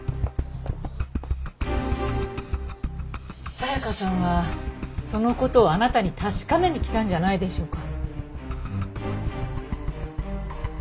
紗香さんはその事をあなたに確かめに来たんじゃないでしょうか？